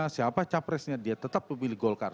siapa capresnya dia tetap pemilih golkar